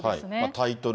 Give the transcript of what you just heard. タイトル